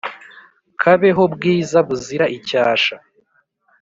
“kabeho bwiza buzira icyashya